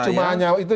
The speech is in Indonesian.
jadi cuma hanya itu